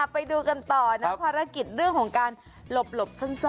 ไปดูกันต่อนะภารกิจเรื่องของการหลบซ่อน